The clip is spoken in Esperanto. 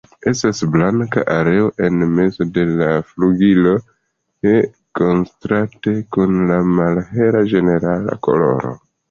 Estas blanka areo en mezo de flugiloj kontraste kun la malhela ĝenerala koloro.